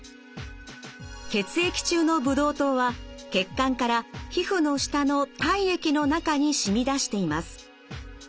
血液中のブドウ糖は血管から皮膚の下の体液の中に染み出しています。